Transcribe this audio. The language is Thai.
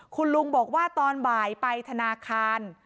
คุณลุงบอกว่าตอนบ่ายไปธนาคาร